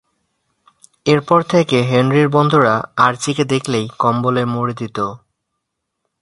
এরপর থেকে হেনরির বন্ধুরা আর্চিকে দেখলেই কম্বলে মুড়ে দিত।